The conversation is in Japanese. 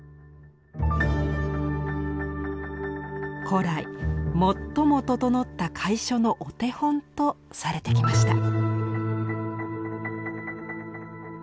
古来最も整った楷書のお手本とされてきました。